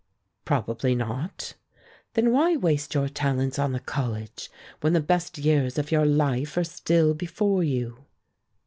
"Probably not." "Then why waste your talents on the college, when the best years of your life are still before you?"